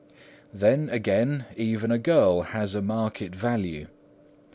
Then, again, even a girl has a market value.